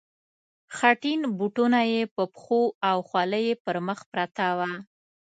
خټین بوټونه یې په پښو او خولۍ یې پر مخ پرته وه.